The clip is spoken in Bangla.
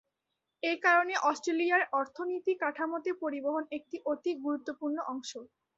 এ কারণে অস্ট্রেলিয়ার অর্থনীতি কাঠামোতে পরিবহন একটি অতি গুরুত্বপূর্ণ অংশ।